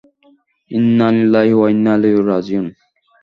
ইন্না লিল্লাহি ওয়া ইন্না ইলাইহি রাজিউন।